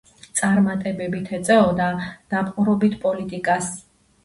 წარმატებით ეწეოდა დაპყრობით პოლიტიკას.